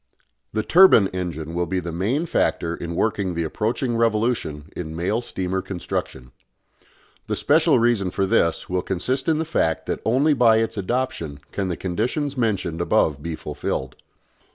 The turbine engine will be the main factor in working the approaching revolution in mail steamer construction. The special reason for this will consist in the fact that only by its adoption can the conditions mentioned above be fulfilled.